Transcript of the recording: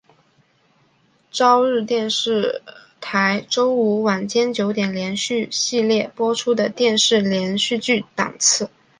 朝日电视台周五晚间九点连续剧系列播出的电视连续剧档次。